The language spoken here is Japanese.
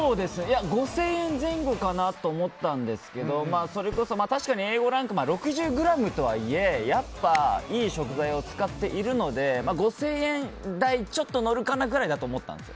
５０００円前後かなと思ったんですけどそれこそ確かにＡ５ランク６０ｇとはいえやっぱ、いい食材を使っているので５０００円台ちょっと乗るかなくらいだと思ったんです。